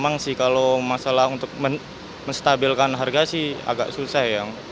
memang sih kalau masalah untuk menstabilkan harga sih agak susah ya